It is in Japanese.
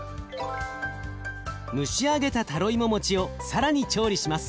蒸しあげたタロイモ餅を更に調理します。